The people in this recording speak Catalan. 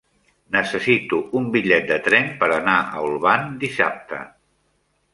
Necessito un bitllet de tren per anar a Olvan dissabte.